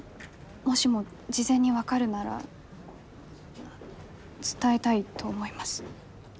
もしも事前に分かるなら伝えたいと思います。